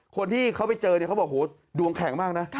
คนที่เขาไปเจอเนี่ยเขาบอกโหดวงแข็งมากนะ